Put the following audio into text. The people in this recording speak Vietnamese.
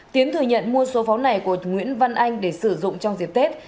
tiến thừa nhận mua số pháo này của nguyễn văn anh để sử dụng trong dịp tết